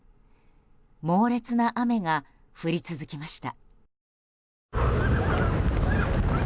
猛烈な雨が降り続きました。